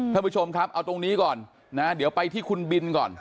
ท่านผู้ชมครับเอาตรงนี้ก่อนนะเดี๋ยวไปที่คุณบินก่อน